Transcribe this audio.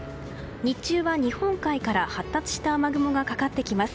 日中は日本海から発達した雨雲がかかってきます。